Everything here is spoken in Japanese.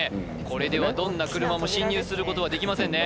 これではどんな車も進入することはできませんね